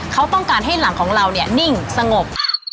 เค้าต้องการให้หลังของเรานิ่งสงบ